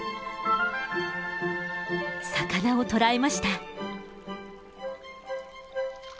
魚を捕らえました。